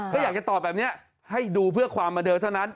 ก็อยากจะตอบแบบนี้ให้ดูเพื่อความมาเดินเท่านั้น